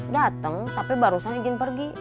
datang tapi barusan izin pergi